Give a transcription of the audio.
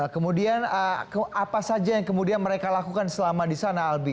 kemudian apa saja yang kemudian mereka lakukan selama di sana albi